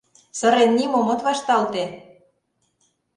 Сырен нимом от вашталте.